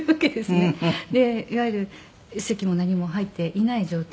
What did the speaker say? でいわゆる籍も何も入っていない状態で。